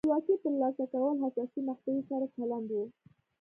د خپلواکۍ ترلاسه کول حساسې مقطعې سره چلند و.